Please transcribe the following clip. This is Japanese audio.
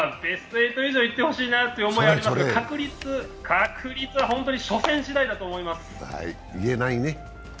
ベスト８以上いってほしいなという思いはありますが、確率確率は本当に初戦しだいだと思います。